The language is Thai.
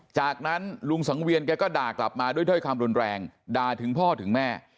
จากนั้นลุงสังเวียนแกก็ด่ากลับมาด้วยถ้อยคำรุนแรงด่าถึงพ่อถึงแม่